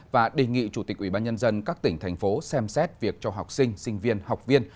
và đề nghị chủ tịch ubnd các tỉnh thành phố xem xét việc cho học sinh sinh viên học viên